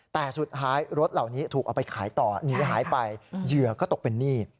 แต่สุดท้ายรถเหล่านี้ถูกเอาไปขายต่อหนีหายไปเหยื่อก็ตกเป็นหนี้